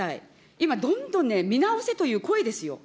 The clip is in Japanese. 今、どんどんね、見直せという声ですよ。